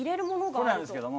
これなんですけども。